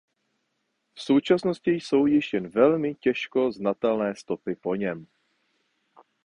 V současnosti jsou již jen velmi těžko znatelné stopy po něm.